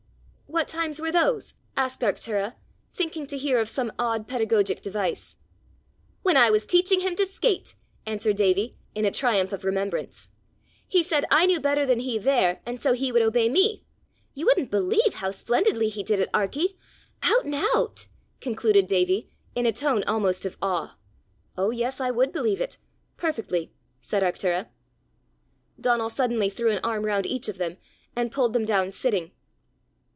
"What times were those?" asked Arctura, thinking to hear of some odd pedagogic device. "When I was teaching him to skate!" answered Davie, in a triumph of remembrance. "He said I knew better than he there, and so he would obey me. You wouldn't believe how splendidly he did it, Arkie out and out!" concluded Davie, in a tone almost of awe. "Oh, yes, I would believe it perfectly!" said Arctura. Donal suddenly threw an arm round each of them, and pulled them down sitting.